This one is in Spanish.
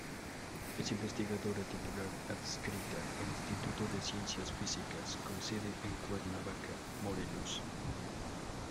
Es Investigadora titular adscrita al Instituto de Ciencias Físicas con sede en Cuernavaca, Morelos.